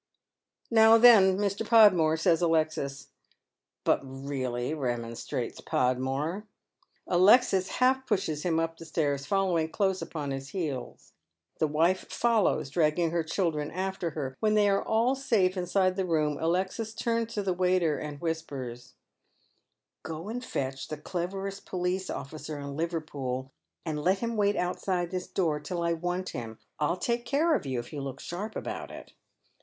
" Now then, Mr. Podmore," says Alexis. " But really I " remonstrates Podmore. Alexis half pushes him up the stairs, following close upon hii heels. The wife follows, dragging her children after her. When they are all safe inside the room, Alexis turns to the waiter and whispers, —" Go and fetch the cleverest police officer in Liverpool, and iet him wait outside this door till I want him. I'll take care of you if you look sharp about it."